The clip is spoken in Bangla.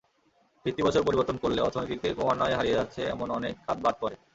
ভিত্তিবছর পরিবর্তন করলে অর্থনীতিতে ক্রমান্বয়ে হারিয়ে যাচ্ছে এমন অনেক খাত বাদ পড়ে।